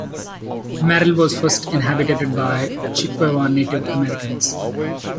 Merrill was first inhabited by the Chippewa Native Americans.